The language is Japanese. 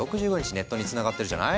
ネットにつながってるじゃない？